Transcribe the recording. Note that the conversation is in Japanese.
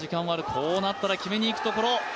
こうなったら決めにいくところ。